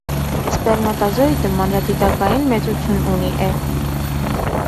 Սպերմատոզոիդը մանրադիտակային մեծություն ունի է։